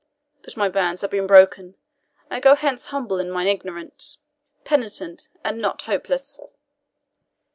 But my bands have been broken! I go hence humble in mine ignorance, penitent and not hopeless."